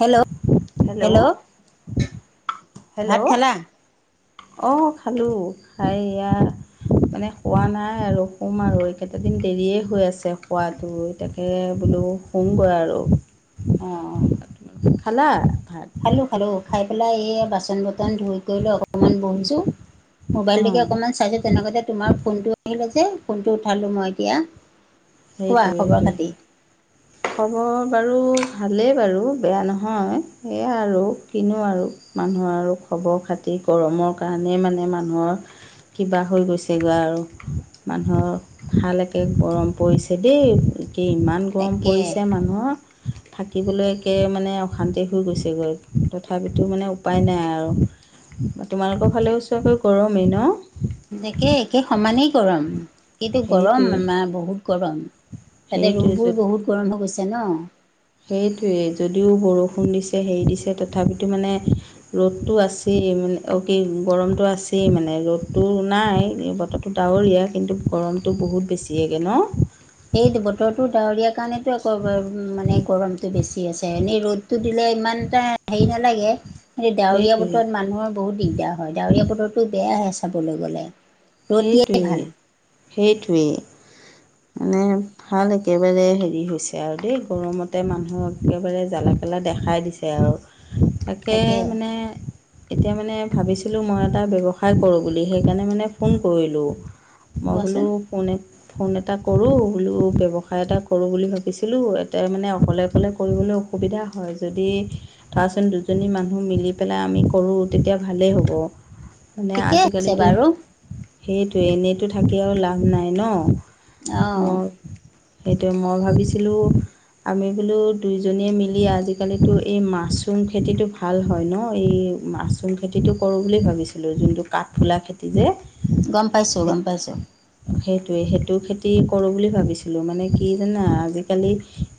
Hello hello, ভাত hello খালা? অঁ খালোঁ খাই এইয়া মানে শুৱা নাই আৰু শুম আৰু এইকেইটা দিন দেৰিয়ে হৈ আছে শুৱাটো এ তাকে বোলো শুম গৈ আৰু, অ খালা? ভাত খালোঁ খালোঁ, খাই পেলাই এই বাচন - বৰ্তন ধুই কৰি লৈ অকণমান বহিছোঁ। মোবাইল টোকে অঁ অকমান চালো তেনেকাতে তোমাৰ ফোনটো আহিলে যে ফোনটো উঠালো মই এতিয়া। কোৱা সেইটোৱেই খবৰ টো। খাতি খবৰ বাৰু ভালেই বাৰু বেয়া নহয়, সেয়া আৰু কিনো আৰু। মানুহৰ আৰু খবৰ খাতি গৰমৰ কাৰণে মানে মানুহৰ - - - কিবা হৈ গৈছেগৈ আৰু মানুহৰ ভাল একে গৰম পৰিছে দেই, কি ইমান গৰম তাকে পৰিছে মানুহৰ থাকিবলৈ একে মানে অশান্তি হৈ গৈছেগৈ, তথাপিতো মানে উপায় নাই আৰু। তোমালোকৰ ফালে ওচৰকৈ গৰমেই ন? একে-একে সমানেই গৰম, কিটো গৰম সেইটোৱেই আমাৰ বহুত গৰম। তাতে সেইটোৱেই ৰুমবোৰ বহুত গৰম হৈ গৈছে ন? সেইটোৱেই যদিও বৰষুণ দিছে হেৰি দিছে তথাপিতো মানে ৰ'দটো আছেই মানে অ, কি গৰমটো আছেই মানে ৰ'দটো নাই, বত ডাৱৰীয়া কিন্তু গৰমটো বহুত বেছিয়েগে ন? সেইটো বতৰটো ডাৱৰীয়া কাৰণেতো আকৌ ৱ-ৱ মানে গৰমতটো বেছি আছে, এনেই ৰ'দ টো দিলে ইমান এটা হাৰি নালাগে। সেইটো ডাৱৰীয়া সেইটোৱেই বতৰত মানুহৰ বহুত দিগদাৰ হয়, ডাৱৰীয়া বতৰটো বেয়াহে চাবলৈ গ'লে। ৰ'দ দিয়াই ভাল সেইটোৱেই-সেইটোৱেই মানে ভাল একেবাৰে হেৰি হৈছে আৰু দেই গৰমতে মানুহক একেবাৰে জ্বালাকেলা দেখাই দিছে আৰু। তাকে মানে এতিয়া মানে ভাবিছিলোঁ মই এটা ব্যৱসায় কৰোঁ বুলি সেইকাৰণে মানে ফোন কৰিলোঁ। মই কোৱাচোন বোলোঁ কোনে ফোন এটা কৰোঁ, বোলোঁ ব্যৱসায় এটা কৰোঁ বুলি ভাবিছিলোঁ, এটাই মানে অকলে-অকলে কৰিবলৈ সুবিধা হয় যদি তাৰ চোন দুজনী মানুহ মিলি পেলাই আমি কৰোঁ তেতিয়া ভালেই হ'ব। মানে ঠিকে আছে আজিকালিতো বাৰু সেইটোৱে, এনেইতো থাকি আৰু লাভ নাই ন? অঁ মই সেইটোৱে মই ভাবিছিলোঁ আমি বোলোঁ দুইজনীয়ে মিলি আজিকালিটো এই মাছৰুম খেতিটো ভাল হয় ন এই মাচৰুম খেতিটো কৰোঁ বুলি ভাবিছিলোঁ যোনটো কাঠফুলা খেতি যে। গম পাইছো সেই গম পাইছো। সেইটোৱে সেইটো খেতি কৰোঁ বুলি ভাবিছিলো মানে কি জানা আজিকালি।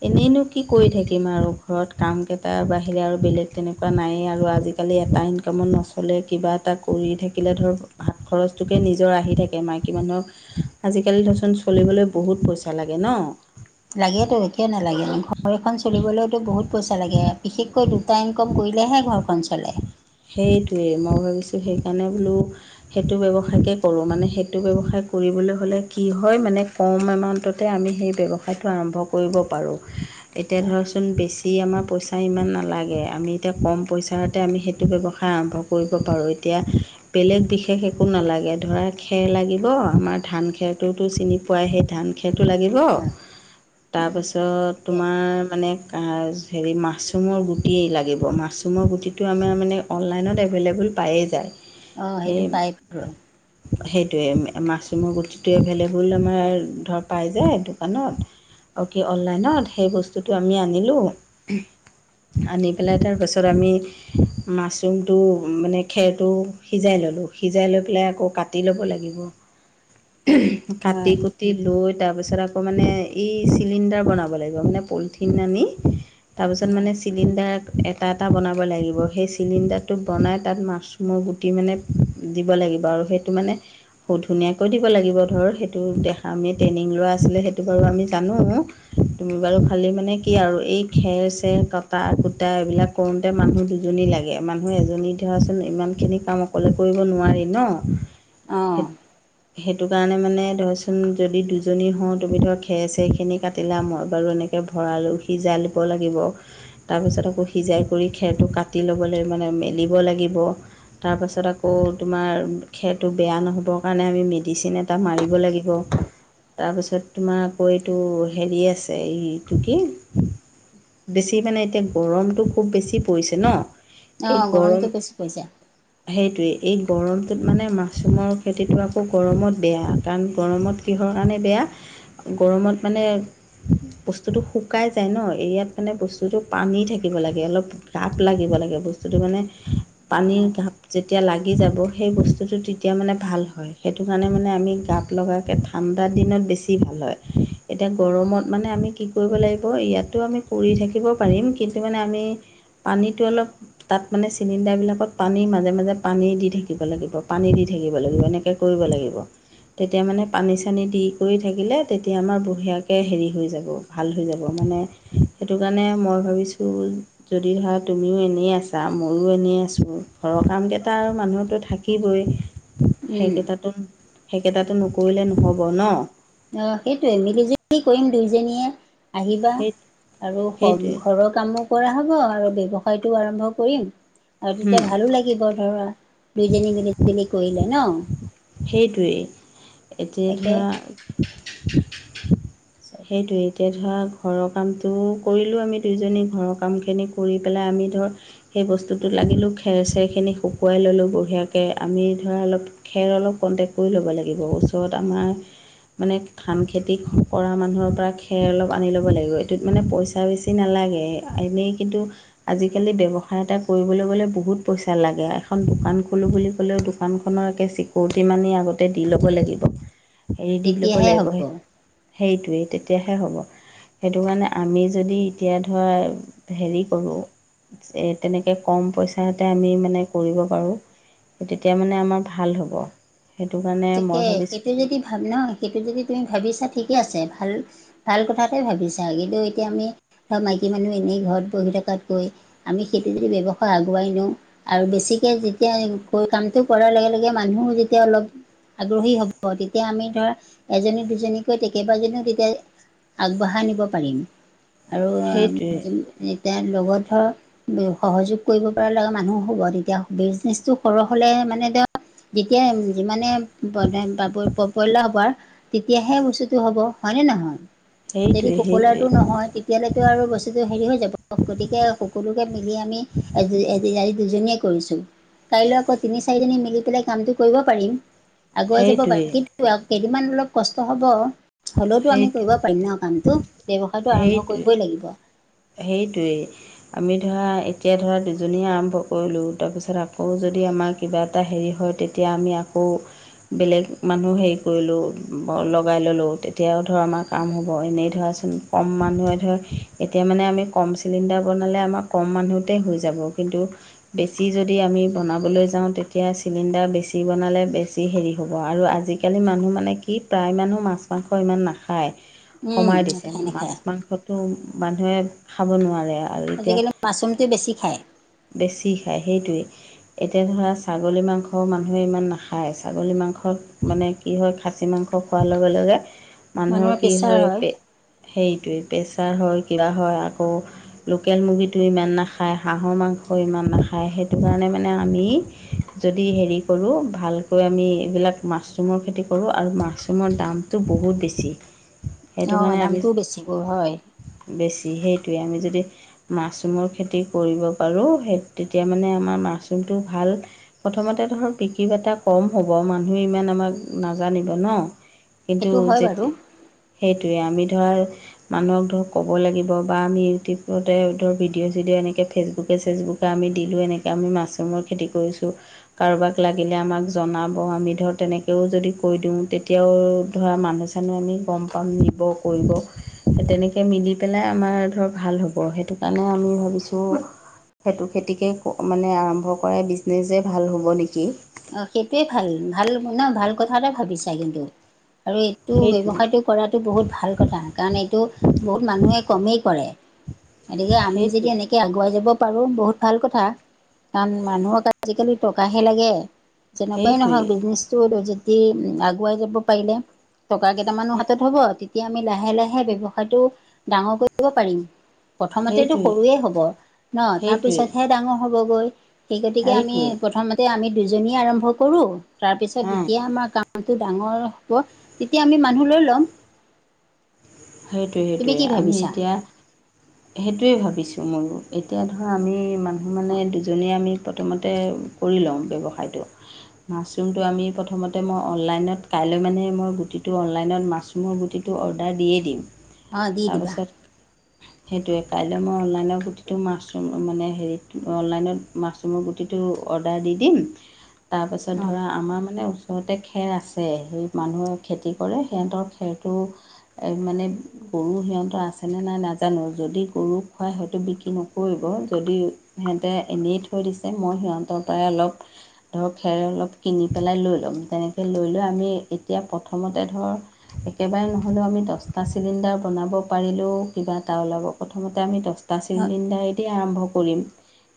এনেইনো কি কৰি থাকিম আৰু ঘৰত কামকেইটা বাহিৰে আৰু বেলেগ তেনেকুৱা নাইয়ে আৰু আজি। আজিকালি এটা ইনকামত নচলে কিবা এটা কৰি থাকিলে ধৰক। টোকে নিজৰ আহি থাকে মাইকী মানুহক আজিকালি ধৰচোন চলিবলৈ বহুত পইচা লাগে ন। লাগেতো কিয় নালাগে ঘৰ এখন চলিবলৈতো বহুত পইচা লাগে বিশেষকৈ দু টা ইনকম কৰিলেহে ঘৰখন চলে। সেইটোৱেই মই ভাবিছোঁ সেইকাৰণে বোলো। সেইটো ব্যৱসায়কে কৰোঁ মানে সেইটো ব্যৱসায় কৰিবলৈ হ'লে কি হয় মানে। কম এমাউণ্টতে আমি সেই ব্যৱসায়টো আৰম্ভ কৰিব পাৰোঁ। এতিয়া ধৰা চোন বেছি আমাৰ পইচা ইমান নালাগে আমি এতিয়া কম পইচাতে আমি সেই টো ব্যৱসায় আৰম্ভ কৰিব পাৰোঁ এতিয়া। বেলেগ বিশেষ একো নালাগে ধৰা খেৰ লাগিব আমাৰ ধান খেৰটোতো চিনি পোৱায় হে ধান খেটো লাগিব। তাকে তাৰপাছত তোমাৰ মানে হেৰি মাছৰুমৰ গুটি লাগিব মাছ। ৰুমৰ গুটিটো আমাৰ মানে অনলাইনত এভেল- এভোল পায়েই যায়। অ সেই সেইটো পায় বাৰু সেইটোৱে মাছৰুমৰ গুটিটো এভেল-এবোল আমাৰ ধৰ পাই যায় দোকানত। অওকি অনলাইনত সেই বস্তুটো আমি আনিলোঁ। আনি পেলাই তাৰপাছত আমি। মাছৰুমটো মানে খেৰটো সিজাই ল'লোঁ সিজাই লৈ পেলাই আকৌ কাটি ল'ব লাগিব। কাটি অঁ কু টি লৈ তাৰপিছত আকৌ মানে এই চিলিণ্ডাৰ বনাব লাগিব মানে পলিথিন আনি তাৰপিছত মানে চিলিণ্ডাৰ এটা এটা বনাব লাগিব। সেই চি চিলিণ্ডাৰটো বনাই তাত মাছৰুমৰ গুটি মানে দিব লাগিব আৰু সেইটো মানে বহুত ধুনীয়াকৈ দিব লাগিব ধৰ সেইটো দেখা আমি ট্ৰেইনিং লোৱা আছিলে সেইটো বাৰু আমি জানো। তুমি বাৰু খালি মানে কি আৰু এই খেৰ চেৰ কটা কুটা এইবিলাক কৰোতে মানুহ দুজনী লাগ গে মানুহে এজনী ধৰাচোন ইমান খিনি কাম অকলে কৰিব নোৱাৰি ন। অ সেই সেইটো কাৰণে মানে ধৰ চোন যদি দুজনী হওঁ তুমি ধৰ খেৰ চেৰখিনি কাটিলা মই বাৰু এনে কে ভৰালো সিজাই ল'ব লাগিব তাৰপিছত আকৌ সিজাই কৰি খেৰটো কাটি ল'ব লাগিব। মানে মেলিব লাগিব। তাৰপাছত আকৌ তোমাৰ খেৰটো বেয়া নহ'বৰ কাৰণে আমি মেডিচিন এ টা মাৰিব লাগিব। তাৰপিছত তোমাৰ আকৌ এইটো হেৰি আছে এইটো কি বেছি মানে এতিয়া গৰমটো খুব বেছি পৰিছে ন? এই অঁ গৰমটো গৰম বেছি পইচা সেইটোৱেই, এই গৰমটোত মানে মাছৰুমৰ খেতিটো আকৌ গৰমত বেয়া কাৰণ গৰমত কিহৰ কাৰণে বেয়া? গৰমত মানে বস্তুটো শুকাই যায় ন, এৰিয়াত মানে বস্তুটো পানী থাকিব লাগে অলপ গাপ লাগিব লাগে বস্তুটো মানে পানীৰ অঁ গাপ যেতিয়া লাগি যাব সেই বস্তুটো তেতিয়া মানে ভাল হয়, সেইটো কাৰণে মানে আমি গাপ লগাকে ঠাণ্ডা দিনত বেছি ভাল হয়, এতিয়া গৰমত মানে আমি কি কৰিব লাগিব ইয়াতো আমি পুৰি থাকিব পাৰিম কিন্তু মানে আমি পানীটো অলপ তাত মানে চিলিণ্ডাৰবিলাকত পানী মাজে- মাজে পানী দি থাকিব লাগিব পানী দি থাকিব লাগিব এনেকে কৰিব লাগিব। তেতিয়া মানে পানী - চানী দি কৰি থাকিলে তেতিয়া আমাৰ বঢ়িয়াকে হেৰি হৈ যাব ভাল হৈ যাব মানে সেটো কাৰণে মই ভাবিছোঁ যদি ধৰা তুমিও এনেই আছ তা ময়ো এনেই আছোঁ ঘৰৰ কামকেইটা আৰু মানুহৰতো থাকিবই উম সেইকেইটাটো -সেইকেইটাটো নকৰিলে নহ'ব ন? অ সেইটোৱে মিলিজুলি কৰিম, দুইজনীয়ে আহিবা সেই আৰু ঘ সেইটোৱে ঘৰত কামো কৰা হ'ব আৰু ব্যৱসায়টো আৰম্ভ কৰিম আৰু তেতিয়া ভালো লাগিব ধৰা। দুইজনী মিলি জুলি কৰিলে ন? সেইটোৱেই তাকে এতিয়া ধৰা [unintelligible] সেইটোৱে এতিয়া ধৰা ঘৰৰ কামটো কৰিলোঁ আমি দুয়োজনী ঘৰৰ কামখিনি কৰি পেলাই আমি ধৰ সেই বস্তুটো লাগিলোঁ খেৰ- চেৰখিনি শুকুৱাই ল'লোঁ বঢ়িয়াকে আমি ধৰা অলপ খেৰ অলপ কণ্টেক্ট কৰি ল'ব লাগিব য'ত আমাৰ মানে ধানখেতি কৰা মানুহৰ পৰা খেৰ অলপ আনি ল'ব লাগিব এইটোত মানে পইচা বেছি তে নালাগে এনেই কিন্তু আজিকালি ব্যৱসায় এটা কৰিবলৈ গলে বহুত পইচা লাগে এখন দোকান খোলো বুলি ক'লেও দোকান খনৰ একে চিকৰিটি মানি আগতে দি ল'ব লাগিব। হেৰি দি ল'ব তেতিয়াহে হ'ব লাগিব সেইটোৱেই তেতিয়াহে হ'ব। সেইটো কাৰণে আমি যদি এতিয়া ধৰা হেৰি কৰোঁ যে তেনেকে কম পইচাতে আমি মানে কৰিব পাৰোঁ তেতিয়া মানে আমাৰ ভাল হ'ব। সেইটো কাৰণে মই তিকে ভাবিছোঁ সেইটো যদি ভাব নহ সেইটো যদি তুমি ভাবিছা ঠিকে আছে ভাল ভাল কথাকে ভাবিছা কিন্তু এতিয়া আমি ধৰ মাইকী মানুহ এনেই ঘৰত বহি থকাত কৈ আমি সেইটো যদি ব্যৱসায় আগুৱাই নিওঁ আৰু বেছিকে যেতিয়া কামটো কৰাৰ লগে লগে মানুহো যেতিয়া অলপ আগ্ৰহী হ'ব তেতিয়া আমি ধৰা এজনী, দুজনীকৈ তেকেইবাজনীও তেতিয়া আগবঢ়াই নিব পাৰিম সেইটোৱে আৰু এতিয়া লগত ধৰ সহযোগ কৰিব পৰা লগা মানুহ হ'ব এতিয়া বিজনেচটো সৰ হলে মানে [unintelligible] যেতিয়া যিমানে [unintelligible] তেতিয়াহে বস্তুটো হব হয়নে নহয়? যেদি সেইটোৱে পপুলাৰ সেইটোৱে টো নহয় [unintelligible] তেতিয়ালৈ আৰু বস্তুটো হেৰি হৈ যাব গতিকে সকলোকে মিলি আমি এজি -এজি- আজি দুজনীয়ে কৰিছো কাইলৈ আকৌ তিনি- চাৰিজনী মিলি পেলাই কামটো কৰিব পাৰিম। আগুৱাই যাব সেইটোৱে পাৰিম কিন্তু [unintelligible] কেইদিনমান অলপ কষ্ট হ'ব। হ'লেওতো সেই আমি কৰিব পাৰিম ন' কামটো ব্যৱসায়টো আৰম্ভ সেইটোৱে কৰিবই লাগিব। সেইটোৱেই। আমি ধৰা এতিয়া ধৰা দুজনীয়ে আৰম্ভ কৰিলোঁ তাৰপিছত আকৌ যদি আমাৰ কিবা এটা হেৰি হয় তে তে আমি আকৌ বেলেগ মানুহ হেৰি কৰিলোঁ লগাই ল'লোঁ তেতিয়াও ধৰ আমাৰ কাম হ'ব এনেই ধৰাচোন। কম মানুহে ধৰ তে মানে আমি কম চিলিণ্ডাৰ বনালে আমাৰ কম মানুহতে হৈ যাব কিন্তু বেছি যদি আমি বনাবলৈ যাওঁ তেতিয়া চিলিণ্ডাৰ বেছি বনালে বেছি হেৰি হ'ব আৰু আজি আজিকালি মানুহ মানে কি প্ৰায় মানুহ মাছ, মাংস ইমান নাখায়। উম, কমাই দিছে নাখায় মাছ, নাখায় মাংস ত'মানুহে খাব নোৱাৰে আৰু এতিয়া আজিকালি মাছৰুমটো বেছি খায়। বেছি খায় সেইটোৱে। এতিয়া ধৰা ছাগলী মাংস মানুহে ইমান নাখায় ছাগলী মাংসত মানে কি হয় খাচী মাংস খোৱাৰ লগে -লগে মানুহৰ কি হয় পে সেইটোৱে পেচাৰ হয় কিবা হয় আকৌ লোকেল মুৰ্গীটো ইমান নাখায় হাঁহৰ মাংস ইমান নাখায় সেইটো কাৰণে মানে আমি যদি হেৰি কৰোঁ ভালকৈ আমি এইবিলাক মাছৰুমৰ খেতি কৰোঁ আৰু মাছৰুমৰ দাম সেইটো বহুত বেছি', সেইটো অহ', কাৰণে আমি দামটোও বেছিকৈ হয়', বেছি হে সেইটোৱে আমি যদি', মাছৰুমৰ খেতি কৰিব পাৰোঁ সেই তেতিয়া মানে আমাৰ মাছৰুমটো ভাল প্ৰথমতে ধৰ বিক্ৰী বাৰ্তা কম হ'ব মানুহে ইমান আমাক নাজানিব ন'। কিন্তু সেইটো হয় বাৰু যেতি সেইটোৱে আমি ধৰ মানুহক ধৰক ক'ব লাগিব বা আমি ইউটিউবতে ধৰ ভিডিঅ' চিডিঅ' এনেকৈ ফেচবুকে চেচবুক', ত', আমি দিলোঁ এনেকে, আমি মাছৰুমৰ খেতি কৰিছোঁ', কাৰোবাক লাগিলে আমাক জনাব আমি ধৰ তেনেকৈও যদি কৈ দিওঁ তেতিয়াও ধৰা মানুহ', এনেও আমি গম পাম, নিব কৰিব সেই তেনেকৈ', মিলি পেলাই আমাৰ ধৰক ভাল হ'ব, সেইটো কাৰণে আমি ভাবিছোঁ', সেইটো, খেতিকে ক', মানে আৰম্ভ কৰাই বিজনেজে ভাল হ'ব নেকি? অঁ', সেইটোৱে ভাল- ভাল মানে ভাল কথা এটা ভাবিছা কিন্তু, আৰু এইটো সেইটোৱে ব্যৱহাৰটো', কৰাটো বহুত ভাল কথা, কাৰণ এইটো বহুত মানুহে কমেই কৰে', গতিকে আমি যদি সেইটোৱে এনেকে', কে', আগুৱাই যাব পাৰোঁ বহুত ভাল কথা, কাৰণ মানুহক আজিকালি টকাহে লাগে', যেনেকুৱাই নহওঁক সেইটোৱেই বিজনেছটো যদি আগুৱাই যাব পাৰিলে', টকা কেইটামানো হাতত হ'ব, তেতিয়া আমি লাহে-লাহে ব্যৱসায়টো ডাঙৰ কৰিব পাৰিম', প্ৰথমতেটো সেইটোৱেই সৰুৱে হ'ব ন', অ', সেইটোৱেই তাৰপিছতহে ডাঙৰ হবগৈ', সেই গতিকে আমি, সেইটোৱে প্ৰথমতে আমি দুজনী আৰম্ভ কৰোঁ, তাৰপিছত অঁ যেতিয়া আমাৰ কাম', কামটো ডাঙৰ হ'ব, তেতিয়া আমি মানুহ লৈ ল'ম', তুমি সেইটোৱে-সেইটোৱে, কি আমি ভাবিছা? এতিয়া', সেইটোৱে ভাবিছোঁ মইও, এতিয়া ধৰা আমি মানুহ মানে দুজনীয়ে আমি', প্ৰথমতে, কৰি লওঁ ব্যৱসায়টো', মাছৰুমটো আমি প্ৰথমতে মই অনলাইনত, কাইলৈ মানে মই গুটিটো অনলাইনত মাছৰুম', মই গুটিটো অৰ্ডাৰ দিয়েই দিম, অ' দি দিবা তাৰপাছত', সেইটোৱে, কাইলে মই অনলাইনৰ গুটিটো মাছৰুম মানে হেৰি টো অনলাইনত', মাছৰুমৰ গুটিটো অৰ্ডাৰ দি দিম, তাৰপাছত অ' ধৰা আমাৰ মানে', ইহঁতে খেৰ আছে, সেই মানুহে খেতি কৰে সিহঁতৰ খেৰটো, এ মানে', গৰু সিহঁতৰ আছেনে নাই নাজানোঁ, যদি গৰু খুৱাই সিহঁতে বিক্ৰী নকৰিব যদি', সিহঁতে এনেই থৈ দিছে, মই সিহঁতৰ পৰাই অলপ', ধৰ খেৰ অলপ কিনি পেলাই লৈ ল'ম, তেনেকৈ লৈ- লৈ আমি, এতিয়া প্ৰথমতে ধৰ', একেবাৰে নহ'লেও আমি দহ', দহটা চিলিণ্ডাৰ বনাব পাৰিলেও কিবা এটা ওলাব, প্ৰথমতে আমি দহটা চিলিণ্ডাৰে দি', দিয়ে আৰম্ভ কৰিম',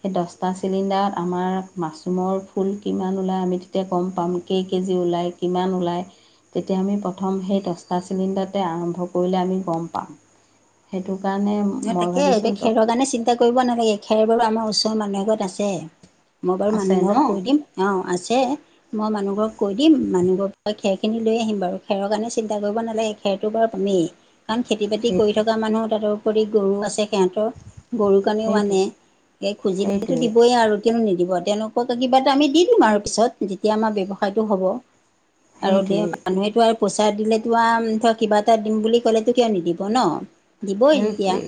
সেই দহটা চিলিণ্ডাৰত আমাৰ মাছৰুমৰ ফুল কিমান ওলায় আমি তেতিয়া গম পাম', কেই কেজি ওলাই কিমান ওলায়, তেতিয়া আমি প্ৰথম সেই দহটা চিলিণ্ডাৰতে আৰম্ভ কৰোঁ', কৰিলে আমি গম পাম, সেইটো কাৰণে মই তাকে এইটো ভাবিছোঁ দহ', খেৰৰ কাৰণে চিন্তা কৰিব নালাগে, খেৰ বাৰু আমাৰ ওচৰৰ মানুহ ঘৰত আছে, মই বাৰু আছে মানুহ ন ঘৰক কৈ দিম', অঁ', আছে', মই মানুহ ঘৰক কৈ দিম, মানুহ ঘৰৰ পৰা খেৰ খিনি লৈ আহিম বাৰু, খেৰৰ কাৰণে চিন্তা কৰিব নালাগে', খেৰটোৰ বাৰু পামেই, কাৰণ খেতি বাতি কৰি সেইটো থকা মানুহ, তাটো উপৰি গৰু আছে', সিহঁতৰ, গৰু কাৰণেও সেইটোৱে আনে, এই খুজিলেতো সেইটোৱে দিবই আৰু', কিয়নো নিদিব, তেওঁলোকক কিবা এটা আমি দি দিম আৰু পিছত, যেতিয়া আমাৰ ব্যৱসায়টো হ'ব', আৰু দে সেইটোৱে মানুহেতো আৰু', পইচা দিলেতো আহ', ধৰ কিবা এটা দিম বুলি ক'লেতো কিয় নিদিব ন দিবই', এতিয়া, সেইটোৱে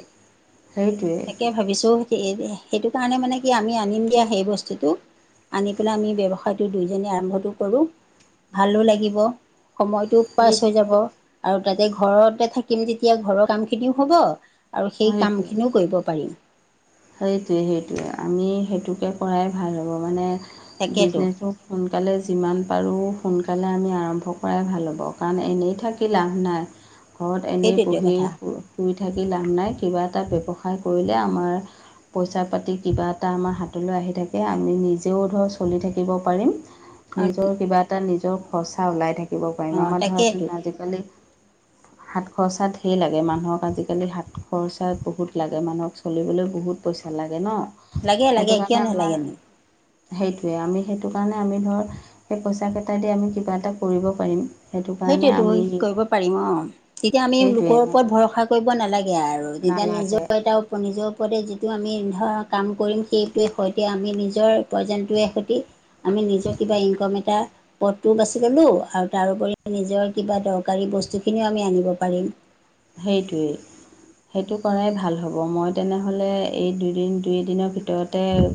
সেইটোৱে তাকে', ভাবিছোঁ এই', -সেই', - সেইটো কাৰণে মানে কি আমি আনিম দিয়া সেই বস্তুটো', আনি পেলাই আমি ব্যৱসায়টো দুইজনী আৰম্ভটো কৰোঁ', ভালো লাগিব, সময়টো', পাছ সেই হৈ যাব, আৰু তাতে ঘৰতে থাকিম যেতিয়া ঘৰৰ কাম খিনিও হ'ব ', আৰু সেই সেইটোৱে কামখিনিও কৰিব পাৰিম', সেইটোৱে, সেইটোৱে। আমি সেইটোকে কৰাই ভাল হ'ব, মানে তাকেতো বিজনেছো সোনকালে যিমান পাৰোঁ, সোনকালে আমি আৰম্ভ কৰাই ভাল হ'ব, কাৰণ এনে থাকি লাভ নাই', ঘৰত এনেই সেইটোৱে বহি কথা শু শুই থাকি লাভ নাই। কিবা এটা ব্যৱসায় কৰিলে আমাৰ পইচা-পাতি কিবা এটা আমাৰ হাতলৈ আহি থাকে। আমি নিজেও ধৰ চলি থাকিব পাৰিম। নিজৰ কিবা এটা নিজৰ খৰচা ওলাই থাকিব পাৰিম। অঁ আমাৰ ধৰাচোন তাকেইতো আজি-কালি হাত খৰচাত ধেই লাগে। মানুহক আজি-কালি হাত খৰচা বহুত লাগে। মানুহক চলিবলৈ বহুত পইচা লাগে ন? লাগে লাগে সেইটো কিয় কাৰণে আমাৰ নালাগেনো সেইটোৱে, আমি সেইটো কাৰণে আমি ধৰ সেই পইচাকেইটাইদি আমি কিবা এটা কৰিব পাৰিম। সেইটো কাৰণে সেইটোৱেটো আমি কৰিব পাৰিম অ। তেতিয়া আমি সেইটোৱে লোকৰ ওপৰত ভৰসা কৰিব নালাগে। গে আৰু তেতিয়া নালাগে নিজৰ ভৰিত আও নিজৰ ওপৰতে যিটো আমি ধৰা কাম কৰিম সেইটোৱে সৈতে আমি নিজৰ উপাৰ্জনটোৱে সতি আমি নিজৰ কিবা ইনকম এটা পথটোও বাচি ল'লো আৰু তাৰউপৰি নিজৰ কিবা দৰকাৰী বস্তুখিনিও আমি আনিব পাৰিম। সেইটোৱেই। সেইটো কৰাই ভাল হ'ব। মই তেনেহ'লে এই দুইদিন দুই এদিনৰ ভিতৰতে